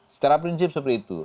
secara prinsip seperti itu